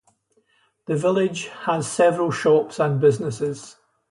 The village has several shops and businesses.